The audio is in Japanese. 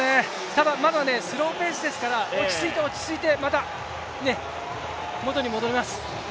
ただ、まだスローペースですから落ち着いて、落ち着いて、また元に戻ります。